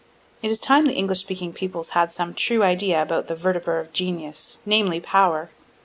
It is time the English speaking peoples had some true idea about the verteber of genius, namely power.